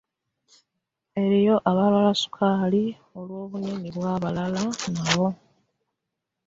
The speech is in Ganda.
Eriyo abalwala Sukaali olw’obunene bwe babeera nabwo.